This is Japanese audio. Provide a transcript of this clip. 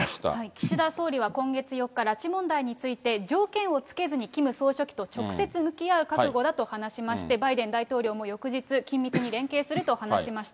岸田総理は今月４日、拉致問題について、条件をつけずに北朝鮮と直接向き合う覚悟だと話しまして、バイデン大統領も翌日、緊密に連携すると話しました。